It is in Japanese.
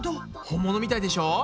本物みたいでしょう？